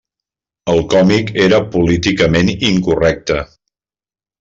El còmic era políticament incorrecte.